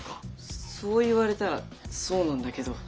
そう言われたらそうなんだけど。